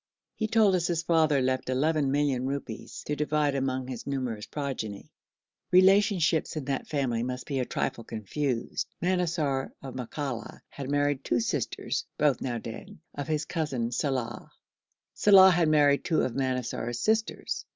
He told us his father left eleven million rupees to divide among his numerous progeny. Relationships in that family must be a trifle confused. Manassar of Makalla had married two sisters (both now dead) of his cousin Salàh. Salàh had married two of Manassar's sisters.